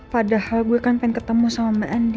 padahal gue kan pengen ketemu sama mende